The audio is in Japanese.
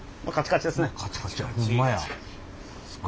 カチカチですね。